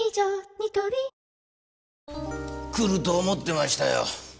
ニトリ来ると思ってましたよ。